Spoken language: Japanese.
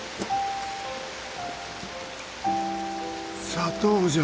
砂糖じゃ。